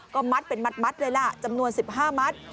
ก็มัดเป็นมัดเลยล่ะจำนวน๑๕มัด